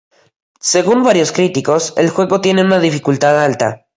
Según varios críticos, el juego tiene una dificultad alta.